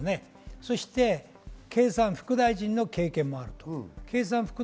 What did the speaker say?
そして経産副大臣の経験もあります。